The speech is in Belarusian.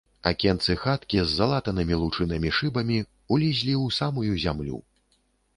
Акенцы хаткі, з залатанымі лучынамі шыбамі, улезлі ў самую зямлю.